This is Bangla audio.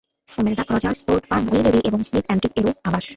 সুমেরডাক রজার্স ফোর্ড ফার্ম উইনিরি এবং স্মিথস অ্যান্টিক এরও আবাস।